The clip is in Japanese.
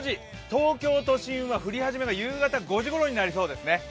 東京都心は降り始めは夕方５時ごろになりそうですね。